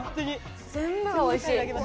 全部がおいしい。